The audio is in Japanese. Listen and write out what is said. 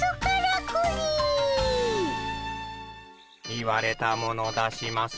言われたもの出します。